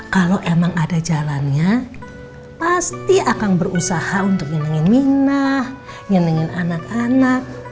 kalau emang ada jalannya pasti akan berusaha untuk nyenengin minah nyenengin anak anak